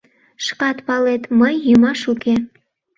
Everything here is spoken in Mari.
— Шкат палет, мый йӱмаш уке.